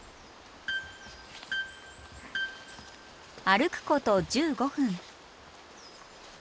歩くこと１５分。